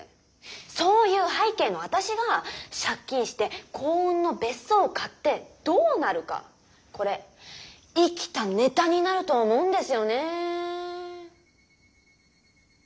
そういう背景の私が借金して幸運の別荘を買ってどうなるかこれ生きたネタになると思うんですよねー。